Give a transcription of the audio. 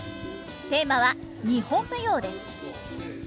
テーマは「日本舞踊」です。